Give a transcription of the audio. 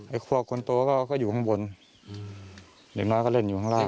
พวกคนโตก็อยู่ข้างบนอืมเด็กน้อยก็เล่นอยู่ข้างล่าง